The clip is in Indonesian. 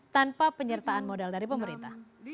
tanpa penyertaan modal dari pemerintah